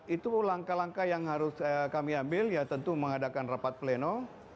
itu langkah langkah yang harus kami ambil ya tentu mengadakan rapat pleno